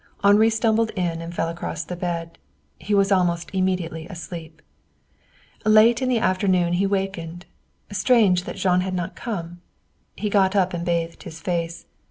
Henri stumbled in and fell across the bed. He was almost immediately asleep. Late in the afternoon he wakened. Strange that Jean had not come. He got up and bathed his face.